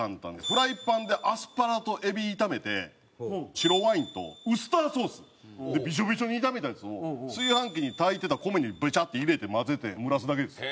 フライパンでアスパラとエビ炒めて白ワインとウスターソースでびしょびしょに炒めたやつを炊飯器に炊いてた米にベチャッて入れて混ぜて蒸らすだけです。